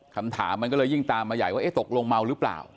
คำถามมันก็เลยยิ่งตามมาใหญ่ว่าตกลงเมาหรือเปล่า